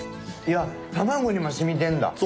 いや卵にも染みてんだ？